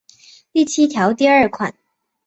第七条第二款